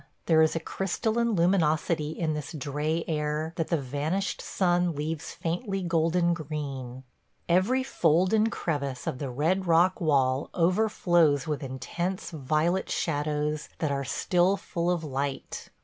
There is a crystalline luminosity in this dray air that the vanished sun leaves faintly golden green. Every fold and crevice of the red rock wall over flows with intense violet shadows that still are full of light.